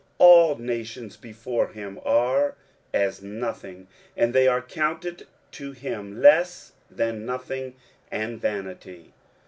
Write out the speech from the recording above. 23:040:017 All nations before him are as nothing; and they are counted to him less than nothing, and vanity.